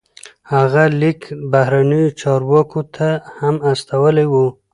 هغه لیک بهرنیو چارواکو ته هم استولی و.